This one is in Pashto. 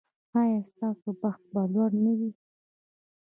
ایا ستاسو بخت به لوړ نه وي؟